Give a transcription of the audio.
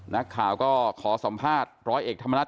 นักข่าวก็ขอสัมภาษณ์ร้อยเอกธรรมนัฐ